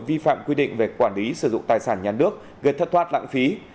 vi phạm quy định về quản lý sử dụng tài sản nhà nước gây thất thoát lãng phí